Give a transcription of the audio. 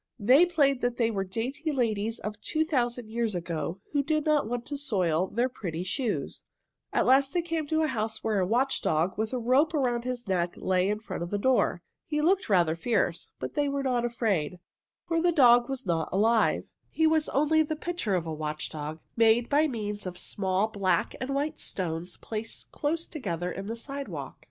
They played they were dainty ladies of two thousand years ago who did not want to soil their pretty shoes. [Illustration: It was great fun to jump across the streets on the high stepping stones] At last they came to a house where a watchdog with a rope around his neck lay in front of the door. He looked rather fierce, but they were not afraid, for the dog was not alive. He was only the picture of a watchdog, made by means of small black and white stones placed close together in the sidewalk.